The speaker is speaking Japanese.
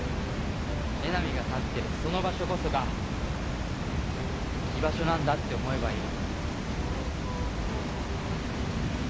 江波が立ってるその場所こそが居場所なんだって思えばいい。